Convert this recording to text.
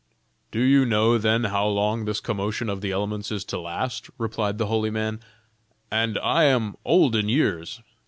"Do you know then how long this commotion of the elements is to last?" replied the holy man. "And I am old in years.